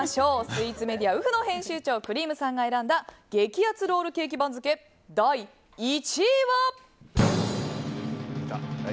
スイーツメディアｕｆｕ．の編集長、クリームさんが選んだ“激アツ”ロールケーキ番付第１位は。